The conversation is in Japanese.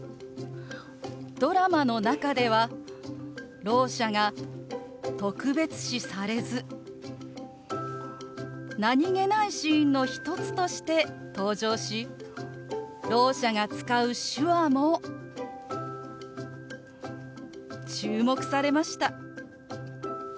ドラマの中ではろう者が特別視されず何気ないシーンの一つとして登場しろう者が使う手話も注目されました。